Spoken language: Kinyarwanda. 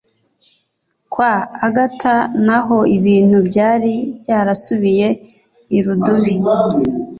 Kwa Agatha naho ibintu byari byarasubiye i Rudubi